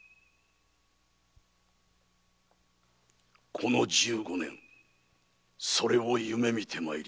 この十五年それを夢みてまいりました。